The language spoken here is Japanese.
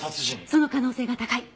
その可能性が高い。